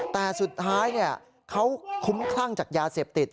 แต่สุดท้ายเขาคุ้มคลั่งจากยาเสพติด